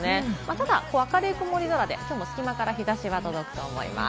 ただ明るい曇り空で、きょうも隙間から日差しが届くと思います。